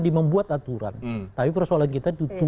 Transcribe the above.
di membuat aturan tapi persoalan kita